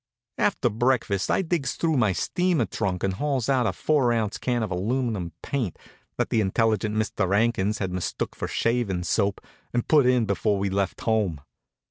After breakfast I digs through my steamer trunk and hauls out a four ounce can of aluminum paint that the intelligent Mr. 'Ankins had mistook for shavin' soap and put in before we left home.